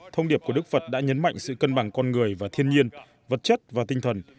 thông điệp của đức phật đã nhấn mạnh sự cân bằng con người và thiên nhiên vật chất và tinh thần